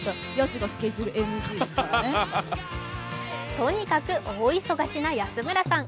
とにかく大忙しな安村さん。